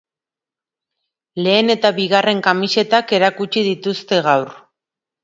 Lehen eta bigarren kamisetak erakutsi dituzte gaur.